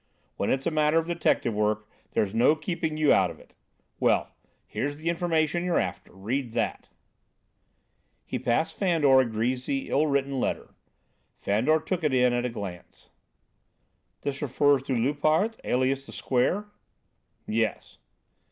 When it's a matter of detective work, there's no keeping you out of it. Well, here's the information you're after. Read that." He passed Fandor a greasy, ill written letter. Fandor took it in at a glance. "This refers to Loupart, alias the Square?" "Yes."